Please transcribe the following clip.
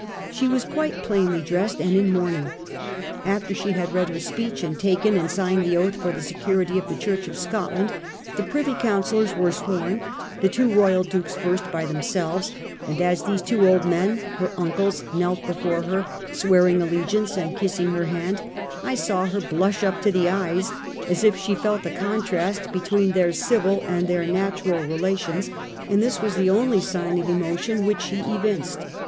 She was quite plainly dressed, and in mourning. After she had read her speech, and taken and signed the oath for the security of the Church of Scotland, the privy councillors were sworn, the two royal dukes first by themselves ; and as these two old men, her uncles, knelt before her, swearing allegiance and kissing her hand, I saw her blush up to the eyes, as if she felt the contrast be tween their civil and their natural relations, and this 10 A HIS TORY OF OUR OWN TIMES. OH. I. •was the only sign, of emotion which she evinced..